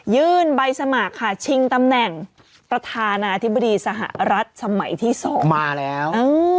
ใบสมัครค่ะชิงตำแหน่งประธานาธิบดีสหรัฐสมัยที่๒มาแล้ว